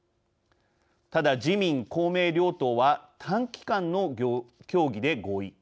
ただ、自民、公明両党は短時間の協議で合意。